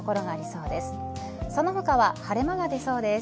その他は晴れ間が出そうです。